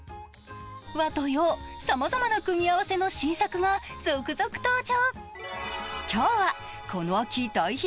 和と洋、さまざまな組み合わせの新作が続々登場。